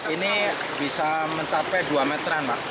ini bisa mencapai dua meteran pak